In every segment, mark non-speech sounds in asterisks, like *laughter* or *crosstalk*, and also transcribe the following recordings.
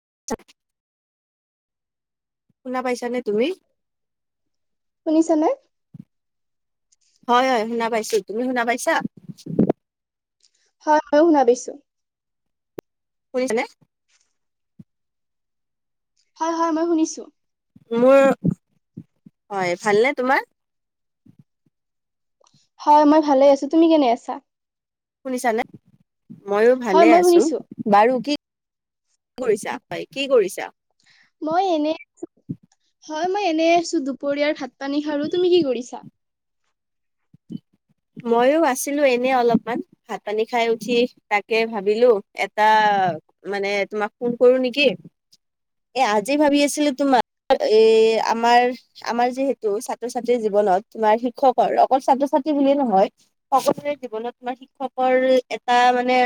*unintelligible* শুনা পাইছানে তুমি? শুনিছা নে? হয় হয় শুনা পাইছো, তুমি শুনা পাইছা? হয় মইয়ো শুনা পাইছো। শুনিছানে? *inaudible* হয় হয় মই শুনিছো। মোৰ, হয় ভালনে তোমাৰ? হয় মই ভালে আছো, তুমি কেনে আছা? শুনিছানে? ময়ো হয় ভালে মই আছো, শুনিছো। বাৰু কি? কি কৰিছা? হয়, কি কৰিছা? মই এনে আছো, হয় মই এনে আছো দুপৰীয়াৰ ভাত পানী খাৰো, তুমি কি কৰিছা? *inaudible* ময়ো আছিলো এনে অলপমান ভাত পানী খাই উঠি তাকে ভাবিলো এটা অ', মানে তোমাক ফোন কৰো নেকি? এ আজি ভাবি আছিলো তোমাৰ, এ আমাৰ-আমাৰ যিহেতো ছাত্ৰ ছাত্ৰী জী ৱনত তোমাৰ শিক্ষকৰ অকল ছাত্ৰ ছাত্ৰী বুলি নহয়, সকলোৰে জীৱনত তোমাৰ শিক্ষকৰ, এটা মানে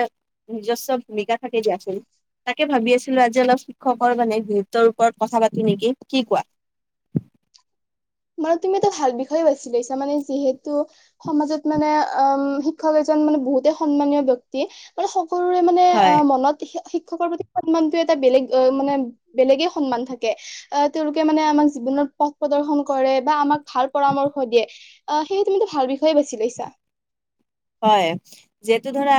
নিজস্ব ভূমিকা থাকে দিয়াচোন। তাকে ভাবি আছিলো আজি অলপ, শিক্ষকৰ মানে গুৰুত্বৰ ওপৰত কথা পাতো নেকি, কি কোৱা? *inaudible* মানে তুমি এটা ভাল বিষয়ে বাছি হৈছা, মানে যিহেতু সমাজত মানে আহ উম শিক্ষক এজন মানে বহুতে সন্মানীয় ব্যক্তি, মানে সকলোৰে মানে অ, হয় মনত শিক শিক্ষকৰ প্ৰতি সন্মানটো এটা বেলেগ আহ এটা মানে বেলেগে সন্মান থাকে, আহ তেওঁলোকে মানে আমাক জীৱনৰ পথ প্ৰদৰ্শন কৰে, বা আমাক ভাল পৰামৰ্শ দিয়ে, আহ সেই তুমিতো ভাল বিষয়ে বেছি লৈছা। হয়, যিহেতু ধৰা,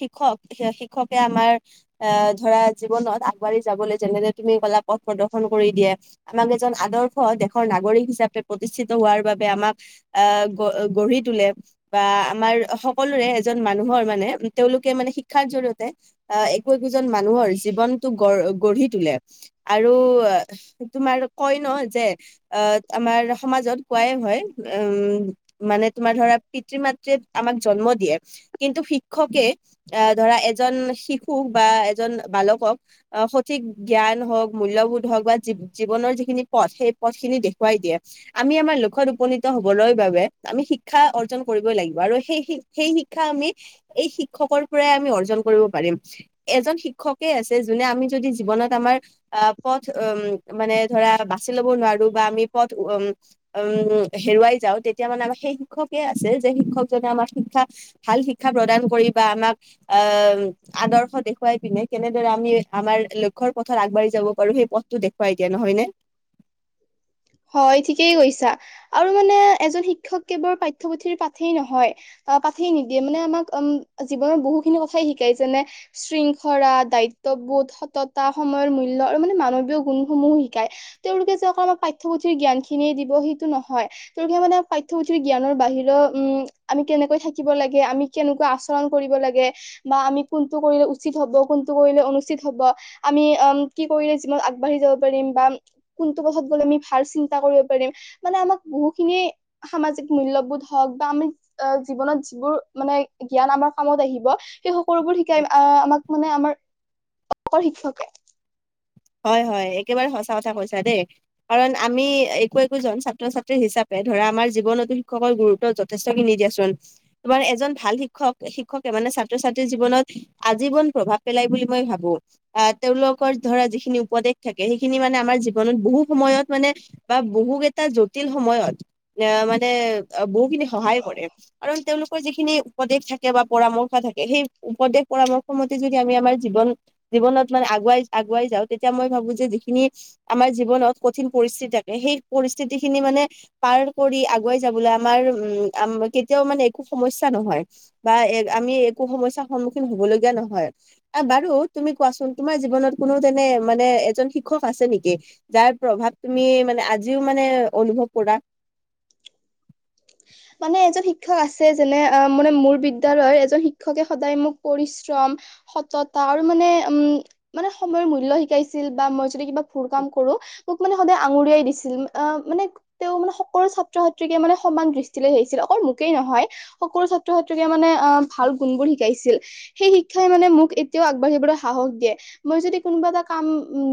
শিক্ষক শিক্ষকে আমাৰ *unintelligible* ধৰা জীৱনত আগবাঢ়ি যাবলৈ যেনেকে তুমি ক'লা পথ প্ৰদৰ্শন কৰি দিয়ে, আমাক এজন আদৰ্শ দেশৰ নাগৰিক হিচাপে প্ৰতি নিশ্চিত হোৱাৰ বাবে আমাক, আহ গঢ়ি তোলে, বা আমাৰ সকলোৰে এজন মানুহৰ মানে, তেওঁলোকে মানে শিক্ষাৰ জৰিয়তে আহ একো একোজন মানুহৰ জী জীৱনটো গৰ গঢ়ি তুলে, আৰু, তোমাৰ কয় ন' যে আমাৰ সমাজত কোৱাই হয়, উম, মানে তোমাৰ ধৰা পিতৃ-মাতৃয়ে আমাক জন্ম দিয়ে, কিন্তু শিক্ষকে, আহ ধৰা এজন শিশুক বা এজন বালকক আহ সঠিক জ্ঞান হওঁক, মূল্যবোধ হওক, বা জী জীৱনৰ যিখিনি পথ সেই পথ খিন যদি দেখুৱাই দিয়ে, আমি আমাৰ লক্ষ্যত উপনীত হ'বলৈ বাবে আমি শিক্ষা অৰ্জন কৰিবই লাগিব, আৰু সেই শি সেই শিক্ষা আমি, এই শিক্ষকৰ পৰাই আমি অৰ্জন কৰিব পাৰিম, এজন শিক্ষকে *unintelligible* আছে যোনে আমি যদি জীৱনত আমাৰ, আহ পথ উম, মানে ধৰা বাচি ল'ব নোৱাৰো বা আমি পথ উম, হেৰুৱাই যাওঁ, তেতিয়া মানে আমাৰ সেই শিক্ষকে আছে, যে শিক্ষক য'ত আমাক শিক্ষা ভাল শিক্ষা প্ৰদান কৰি বা আমাক আহ, আদৰ্শ দেখুৱাই পিনে কেনেদৰে আমি আমাৰ লক্ষ্যৰ পথত আগবাঢ়ি যাব পাৰো সেই পথটো দেখওুৱাই দিয়া, নহয়নে? *inaudible* হয় ঠিকেই কৈছা, আৰু মানে এজন শিক্ষক কেৱল পাঠ্যপুথিৰ পাঠেই নহয় পা পাঠেই নিদিয়ে, মানে আমাক উম, জীৱনত বহুখিনি কথাই শিকায় যেনে, শৃংখৰা দায়িত্ব বোধ, সততা, সময়ৰ মূল্য আৰু মানে মানৱীয় গুণসমূহো শিকায়, তেওঁলোকে যে আমাক পাঠ্যপুথিৰ জ্ঞান খিনিয়ে দিব সেইটো নহয়, তেওঁলোকে মানে পঠ্যপুথিৰ জ্ঞান বাহিৰও, উম, আমি কেনেকৈ থাকিব লাগে, আমি কেনেকোৱা আচৰণ কৰিব লাগে, বা আমি কোনটো কৰিলে উচিত হ'ব, কোন কোনটো কৰিলে অনুষ্ঠিত হ'ব, আমি আম কি কৰিলে জীৱনত আগবাঢ়ি যাব পাৰিম, বা টো পথত গ'লে আমি ভাল চিন্তা কৰিব পাৰিম, মানে আমাক বহুত খিনি সামাজিক মূল্যবোধ হওক বা জীৱনত যিবোৰ মানে জ্ঞান আমাৰ কামত আহিব, সেই সকলোবোৰ শিকাই আ আমাক মানে আমাৰ, অকল শিক্ষকে হয় হয় একেবাৰে সঁচা কথা কৈছা দে, কাৰণ আমি একো একোজন ছাত্ৰ-ছাত্ৰী হিচাপে ধৰা আমাৰ জীৱনতো শিক্ষকৰ গুৰুত্ব যথেষ্ট খিনি দিয়াচোন, তোমাৰ এজন ভাল শিক্ষক শিক্ষকে মানে ছাত্ৰ-ছাত্ৰীৰ জীৱনত, আজীৱন প্ৰভাৱ পেলাই বুলি মই ভাবো, আহ তেওঁলোকৰ ধৰা যিখি খিনি উপদেশ থাকে, সেইখিনি মানে আমাৰ জীৱনত বহু সময়ত মানে, বা বহুকেইটা জটিল সময়ত এ মানে, বহুখিনি সহায়ও কৰে, কাৰণ তেওঁলোকৰ যিখিনি উপদেশ থাকে বা পৰামৰ থাকে সেই উপদেশ পৰামৰ্শ মতে যদি আমি আমাৰ জীৱন, জীৱনত মানে আগুৱাই-আগুৱাই যাওঁ তেতিয়া মই ভাবো যে যিখিনি, আমাৰ জীৱনত কঠিন পৰিস্থিতি থাকে, সেই পৰিস্থিতি খিনি মানে পাৰ কৰি আগুৱাই যাবলৈ আমাৰ উম, কেতিয়াও মানে একো সমস্যা নহয়, বা এ আমি *unintelligible* একো সমস্যাৰ সন্মুখীন হ'ব লগীয়া নহয়, বাৰু তুমি কোৱাচোন তোমাৰ জীৱনত কোনো তেনে মানে এজন শিক্ষক আছে নেকি, যাৰ প্ৰভাৱ তুমি মানে আজিও মানে অনুভৱ কৰা। *inaudible* মানে এজন শিক্ষক আছে, যোনে অ, মানে মোৰ বিদ্যলয়ৰ এজন শিক্ষকে সদায় মোক পৰিশ্ৰম সততা, আৰু মানে উম মানে সময়ৰ মূল্য শিকাইছিল। বা মই যদি কিবা ভুল কাম কৰোঁ মোক মানে সদায় আঙুলিয়াই দিছিল, আ, মানে তেওঁ মানে সকলো ছাত্ৰ-ছাত্ৰীকে মানে সমান দৃ ছিল, অকল মোকেই নহয়, সকলো ছাত্ৰ-ছাত্ৰীকে মানে আ ভাল গুণবোৰ শিকাইছিল, সেই শিক শিক্ষাই মানে মোক এতিয়াও আগবাঢ়িবলৈ সাহস দিয়ে। মই যদি কোনোবা এটা কাম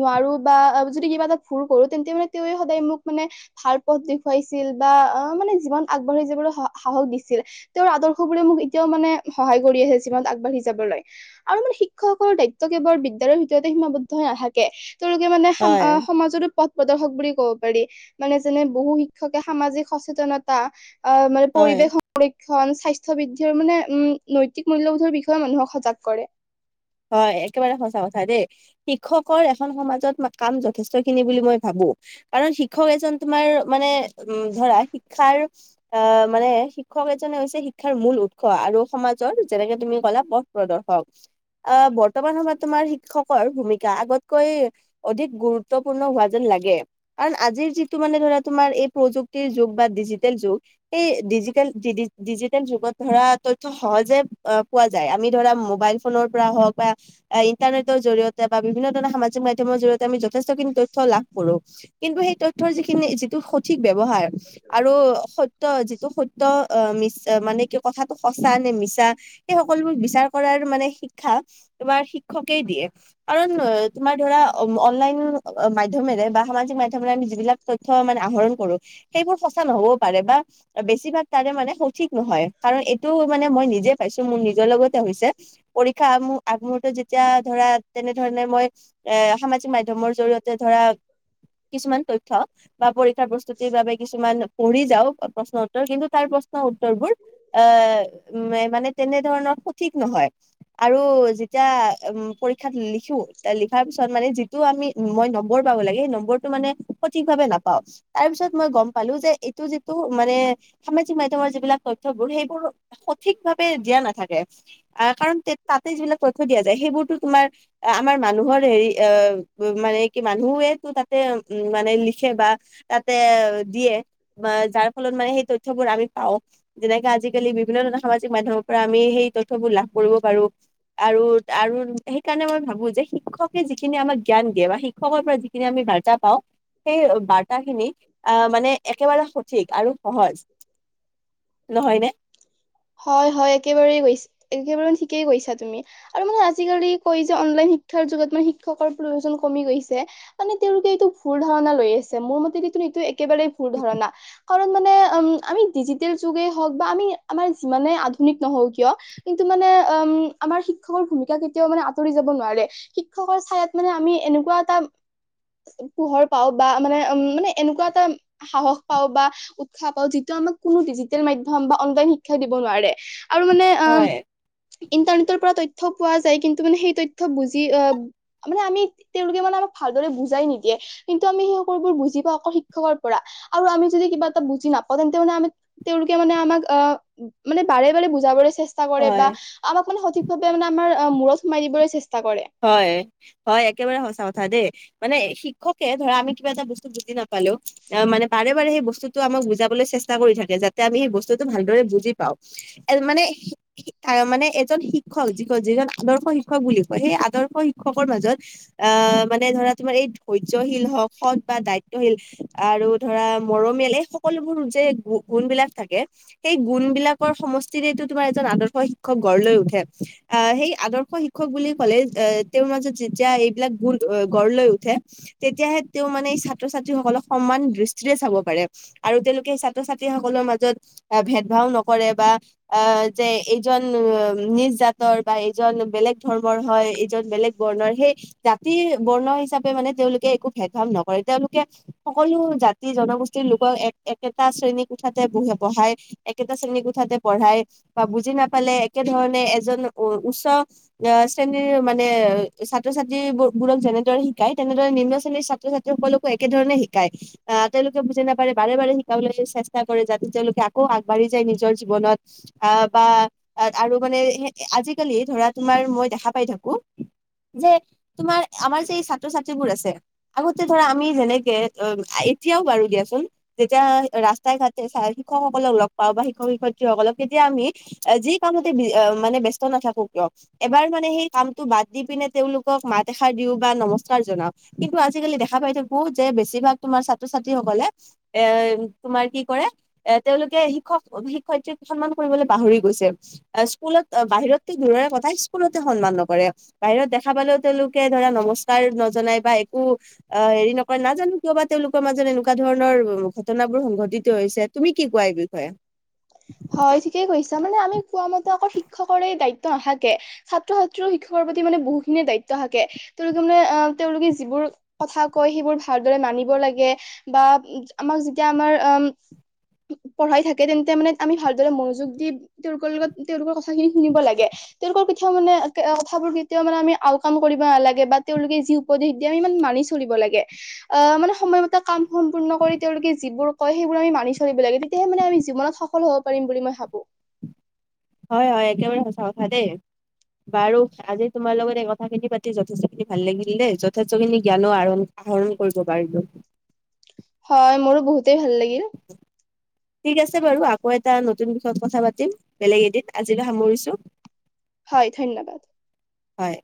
নোৱাৰো বা যদি এটাত ভুল কৰো, তেন্তে মানে তেওঁৱে সদায় মোক মানে ভাল পথ দেখুৱাইছিল, বা মানে আগবাঢ়ি যাবলৈ স-সাহস দিছিল, তেওঁৰ আদৰ্শবোৰে মোক এতিয়াও মানে সহায় কৰি আছে, জীৱনত আগবাঢ়ি যাবলৈ আৰু মানে শিক্ষকসকলৰ দায়িত্ব কেৱল বিদ্যালয়ৰ ভিতৰতে সীমাবদ্ধ নাথাকে। তেওঁলোকে মানে হয় সমাজতো পথ প্ৰদৰ্শক বুলি ক'ব পাৰি, মানে যেনে বহু শিক্ষকে সামাজিক সচেতনতা। আ মানে হয় পৰিৱেশ ক্ষণ স্বাস্থ্য বৃদ্ধিৰ মানে উম, নৈতিক মূল্যবোধৰ বিষয়ে মানুহক সজাগ কৰে। হয় একেবাৰে সঁচা কথা দেই, শিক্ষকৰ এখন সমাজত কাম যথেষ্টখিনি বুলি মই ভাবো। কাৰণ শিক্ষক এজন তোমাৰ মানে উম, ধৰা শিক্ষাৰ। আ মানে, শিক্ষক এজনে হৈছে শিক্ষাৰ মূল উৎস। আৰু সমাজৰ যেনেকে তুমি ক'লা পথ প্ৰদৰ্শক। হওঁক আ বৰ্তমান সময়ত তোমাৰ শিক্ষকৰ ভূমিকা, আগতকৈ অধিক গুৰুত্বপূৰ্ণ হোৱা যেন। লাগে কাৰণ আজিৰ যিটো মানে ধৰা এই প্ৰযুক্তিৰ যুগ বা ডিজিটেল যুগ, এই ডি ডিজিটেল যুগত ধৰা তথ্য সহজে পোৱা যায়, আমি ধৰা মোবাইল। ফোনৰ পৰা হওক বা, ইন্টাৰনেটৰ জৰিয়তে বা বিভিন্ন ধৰণৰ সামাজিক মাধ্যমৰ জৰিয়তে আমি যথেষ্টখিনি তথ্য লাভ কৰোঁ। কিন্তু সেই তথ্যৰ যিখিনি, যিটো সঠিক ব্যৱহাৰ আৰু সত্য যিটো সত্য, অ মিছ মানে কি কথাটো সঁচা নে মিছা! সেই সকলোবোৰ বিচাৰ কৰাৰ মানে। শিক্ষা, তোমাৰ শিক্ষকেই দিয়ে। কাৰণ তোমাৰ ধৰা অনলাইন মাধ্যম মেৰে বা সামাজিক মাধ্যমেৰে আমি যিবিলাক তথ্য মানে আহৰণ কৰো, সেইবোৰ সঁচা নহ'বও পাৰে বা, বেছি। বেছিভাগ তাৰে মানে সঠিক নহয়। কাৰণ এইটো মানে মই নিজে পাইছো, মোৰ নিজৰ লগতে হৈছে। পৰীক্ষাৰ আগ মুহূৰ্তত যেতিয়া ধৰা। তেনেধৰণে মই, এ সামাজিক মাধ্যমৰ জৰিয়তে ধৰা। কিছুমান তথ্য বা পৰীক্ষাৰ প্ৰস্তুতিৰ বাবে কিছুমান পঢ়ি যাও প্ৰশ্নৰ উত্তৰ কিন্তু, তাৰ প্ৰশ্ন উত্তৰবোৰ, আ মানে তেনেধৰণৰ সঠিক নহয়! আৰু যেতিয়া অম পৰীক্ষ ক্ষাত লিখো, লিখাৰ পিছত মানে যিটো আমি, মই নম্বৰ পাব লাগে সেই নম্বৰটো। মানে সঠিকভাৱে নাপাও, তাৰ পিছত মই গম পালো যে এইটো যিটো মানে, সামাজিক মাধ্যমত যিবিলাক তথ্যবোৰ সেইবোৰ সঠিকভাৱে দিয়া নাথাকে। আ, কাৰণ তাতে যিবিলাক তথ্য দিয়া যায়, সেইবোৰতো তোমাৰ আমাৰ মানুহৰ হেৰি অ', মান মানুহেতো তাতে উ মানে লিখে বা তাতে দিয়ে, বা যাৰ। ফলত মানে সেই তথ্যবোৰ আমি পাওঁ, যেনেকে আজিকালি বিভিন্ন ধৰণৰ সামাজিক মাধ্যমৰ পৰা আমি সেই। সেইবোৰ লাভ কৰিব পাৰো। আৰু, আৰু সেইকাৰণে মই ভাবো যে শিক্ষকে যিখিনি আমাক জ্ঞান দিয়ে বা শিক্ষকৰ পৰা যিখিনি আমি বাৰ্তা পাওঁ সেই বাৰ্তাখিনি আ মানে একেবাৰে সঠিক আৰু সহজ। নহয়নে? হয় হয়, একেবাৰ গৈছ একেবাৰে ঠিকেই কৈছা তুমি। আৰু মানে আজিকালি কয় যে অনলাইন শিক্ষাৰ। শিক্ষকৰ প্ৰয়োজন কমি গৈছে, মানে তেওঁলোকে এইটো ভুল ধাৰণা লৈ আছে। মোৰ মতে এইটো একেবাৰে ভুল ধাৰণা। কাৰণ মানে, উম আমি ডিজিটেল যুগে হওক বা আমি। আমাৰ যিমানে আধুনিক নহও কিয়, কিন্তু মানে উম আমাৰ শিক্ষকৰ ভূমিকা কেতিয়াও মানে আঁতৰি যাব নোৱাৰে। শিক্ষকৰ ছায়াত মানে আমি এনেকুৱা এটা, পোহৰ পাওক বা মানে উম মানে এনেকুৱা এটা সাহস পাওঁ বা উৎসাহ পাওঁ যিটো, আমাক কোনো ডিজিটেল মাধ্যম বা অনলাইন শিক্ষাই দিব নোৱাৰে। আৰু মানে আ হয় ইণ্টাৰনেটৰ পৰা তথ্য পোৱা যায়, কিন্তু মানে সেই তথ্য বুজি, আ মানে আমি, তেওঁলোকে মানে আমাক ভালদৰে বুজাই নিদিয়ে, কিন্তু আমি সেই সকলোবোৰ বুজি পাও আকৌ শিক্ষকৰ পৰা। আৰু আমি যদি কিবা এটা বুজি নাপাওঁ তেন্তে মানে আমাক, তেওঁলোকে মানে আমাক আ মানে বাৰে বাৰে বুজাবৰে চেষ্টা কৰে বা হয় আমাক মানে সঠিকভাৱে মানে আমাৰ অ মূৰত সোমাই দিবলে চেষ্টা, কৰে হয় হয় একেবাৰে সঁচা কথা দেই মানে শিক্ষকে ধৰা আমি কিবা এটা বস্তু বুজি নাপা পালো অ মানে পাৰে। কেবাৰে বস্তুটো আমাক বুজাবলৈ চেষ্টা কৰি থাকে যাতে আমি সেই বস্তুটো ভালদৰে বুজি পাওঁ এ মানে হি হি তাৰ মানে এজন শিক্ষক যি যিজন আদৰ্শ শিক্ষক বুলি কয় সেই আৰ্দ আদৰ্শ শিক্ষকৰ মাজত আহ মানে ধৰা তোমাৰ এই ধৈৰ্যশীল হক সৎ বা দায়িত্বশীল। আৰু ধৰা মৰমীয়াল এই সকলোবোৰ যে গুণবিলাক থাকে। সেই গুণ বিলাকৰ সমষ্টিৰেতো তোমাৰ এজন আদৰ্শ শিক্ষক গঢ় লৈ উঠে, অ' সেই আদৰ্শ শিক্ষক বুলি ক'লে এহ তেওঁৰ মাজত যেতিয়া এইবিলাক গুণ গঢ় লৈ উঠে। তেতিয়াহে তেওঁ মানে এই ছাত্ৰ-ছাত্ৰীসকল সমান দৃষ্টিৰে চাব পাৰে আৰু তেওঁলোকে ছাত্ৰ ছাত্ৰীসকলৰ মাজত ভেদ ভাও নকৰে বা যে এইজন নিজ জাতৰ বা এইজন বেলেগ ধৰ্মৰ হয় য'ত বেলেগ বৰ্ণৰ সেই জাতি বৰ্ণ হিচাপে মানে তেওঁলোকে একো ভেদ-ভাব নকৰে। তেওঁলোকে সকলো জাতি-জনগোষ্ঠীৰ লোকক এক একেটা শ্ৰেণী কোঠাতে বহি বহাই একেটা শ্ৰেণী কোঠাত পঢ়ায় বা বুজি নাপালে একে ধৰণে এজন উচ্চ শ্ৰেণীৰ মান বোৰক যেনেদৰে শিকাই তেনেদৰে নিম্ন শ্ৰেণীৰ ছাত্ৰ-ছাত্ৰী সকলকো একেধৰণে শিকায়। অ' তেওঁলোকে বুজি নাপায় বাৰে বাৰে শিকাবলৈ চেষ্টা কৰে যাতে তেওঁলোকে আকৌ আগবাঢ়ি যায় নিজৰ জীৱনত। আহ বা আৰু মানে আজিকালি ধৰা তোমাৰ মই দেখা পাই থাকোঁ যে তোমাৰ আমাৰ যে ছাত্ৰ ছাত্ৰীবোৰ আছে আগতে ধৰা আমি যেনেকে এ এতি এতিয়াও বাৰু দিয়াচোন যেতিয়াই ৰাস্তাই-ঘাটে ছাৰ শিক্ষকসকলক লগ পাওঁ বা শিক্ষক-শিক্ষয়িত্ৰীসকলক তেতিয়া তুমি যি কামতে মানে ব্যস্ত নাথাকোঁ কিয় এবাৰ মানে সেই কাম টো বাদ দি পিনে তেওঁলোকক মাত এষাৰ দিও বা নমস্কাৰ জনাও। কিন্তু আজিকালি দেখা পাই থাকো যে বেছি বেছি ভাগ তোমাৰ ছাত্ৰ-ছাত্ৰীসকলে এ তোমাৰ কি কৰে এ তেওঁলোকে শিক্ষক-শিক্ষয়িত্ৰী পিতৃক সন্মান কৰিবলৈ পাহৰি গৈছে। স্কুলত বাহিৰত দূৰৰ কথা স্কুলতে সন্মান নকৰে। বাহিৰত দেখা পালেও তেওঁলোকে ধৰা নমস্কাৰ নজনাই বা এ উফ অ' হেৰি নকয়, নাজানো কিয়বা তেওঁলোকৰ মাজত এনেকুৱা ধৰণৰ ঘটনাবোৰ সংঘটিত হৈছে। তুমি কি কোৱা এই বিষয়ে? হয় ঠিকেই কৈছা মানে আমি কোৱা মতে আকৌ শিক্ষকৰে দায়ি *unintelligible* নাথাকে ছাত্ৰ-ছাত্ৰী শিক্ষকৰ প্ৰতি মানে বহুতখিনিয়ে দায়িত্ব থাকে। তেওঁলোকে মানে আহ তেওঁলোকে যিবোৰ কথা কৈ সেইবোৰ ভালদৰে মানিব লাগে বা আমাক যেতিয়া আমাৰ উম *unintelligible* পঢ়াই থাকে তেন্তে মানে আমি ভালদৰে মনোযোগ দি তেওঁলোকৰ লগত তেওঁলোকৰ কথাখিনি শুনিব লাগে। তেওঁলোকৰ কেতিয়াওঁ মানে কথাবোৰ কেতিয়াওঁ মানে আউকান কৰিব নালাগে বা তেওঁলোকে যি উপদেশ দিয়ে আমি ইমান মানি মানি চলিব লাগে। মানে সময়মতে কাম সম্পূৰ্ণ কৰি তেওঁলোকে যিবোৰ কয় সেইবোৰ আমি মানি চলিব লাগে। তেতিয়াহে আমি জীৱনত সফল হ'ব পাৰিম মই ভাবোঁ। হয়-হয় একেবাৰে সঁচা কথা দেই। বাৰু আজি তোমাৰ লগত এই কথাখিনি পাতি যথেষ্ট খিনি ভাল লাগিল দেই, যথেষ্ট খিনি জ্ঞানো আহৰণ আহৰণ কৰিব পাৰিলোঁ। হয় মোৰো বহুতেই ভাল লাগিল। ঠিক আছে বাৰু আকৌ এটা নতুন বিষয়ত কথা পাতিম, বেলেগ এদিন আজিলৈ সামৰিছোঁ। হয় ধন্যবাদ। হয়।